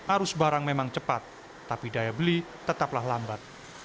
arus barang memang cepat tapi daya beli tetaplah lambat